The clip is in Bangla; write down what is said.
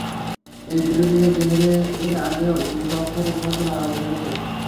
এই বিরোধিতার জের ধরে এর আগেও দুই পক্ষের মধ্যে মারামারি হয়েছে।